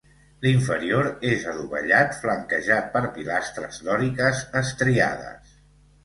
L'inferior és adovellat flanquejat per pilastres dòriques estriades.